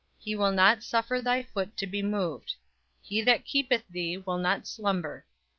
He will not suffer thy foot to be moved: he that keepeth thee will not slumber.